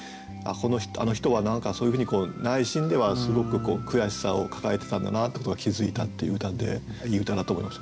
あの人は何かそういうふうに内心ではすごく悔しさを抱えてたんだなってことが気付いたっていう歌でいい歌だと思いますよね。